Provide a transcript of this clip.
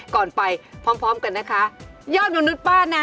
ก่อนไปพร้อมพร้อมกันนะคะยอดมนุษย์ป้านะ